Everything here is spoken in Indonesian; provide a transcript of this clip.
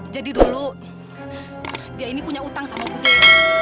jadi dulu dia ini punya utang sama bu demon